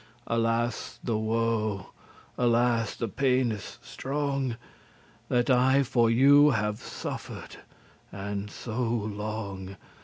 Alas the woe! alas, the paines strong That I for you have suffered and so long!